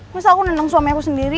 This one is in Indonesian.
terus aku nendang suami aku sendiri